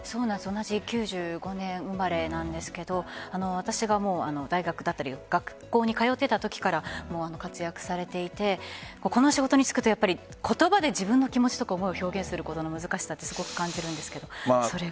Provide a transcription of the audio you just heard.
同じ９５年生まれなんですが私が大学だったり学校に通っていたときから活躍されていてこの仕事に就くとやっぱり言葉で自分の気持ちとかを表現することの難しさをすごく感じるんですが。